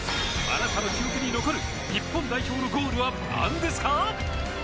あなたの記憶に残る日本代表のゴールはなんですか？